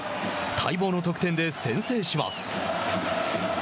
待望の得点で先制します。